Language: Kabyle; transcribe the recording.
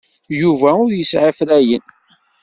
Yuba ur yesɛi afrayen.